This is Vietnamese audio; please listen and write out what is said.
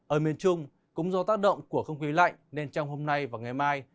ở miền trung cũng do tác động của không khí lạnh nên trong hôm nay và ngày mai